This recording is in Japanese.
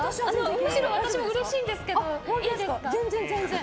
むしろ私もうれしいんですけどいいんですか？